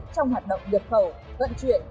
trong hoạt động nhập khẩu vận chuyển